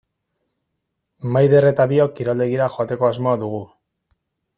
Maider eta biok kiroldegira joateko asmoa dugu.